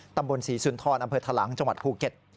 ตำบลศรีสุนทรอำเภอทะลังจังหวัดภูเก็ต